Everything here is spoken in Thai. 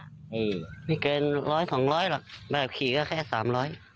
นี่ไม่เกินร้อยสองร้อยหรอกแบบขี่ก็แค่สามร้อย